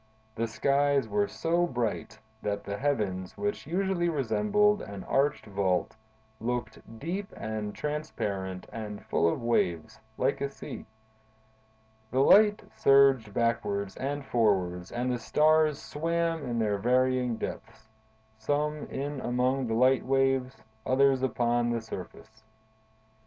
The skies were so bright that the heavens, which usually resemble an arched vault, looked deep and transparent and full of waves, like a sea. The light surged backwards and forwards and the stars swam in their varying depths: some in among the light waves; others upon the surface.